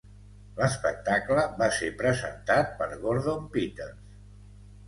L'espectacle va ser presentat per Gordon Peters.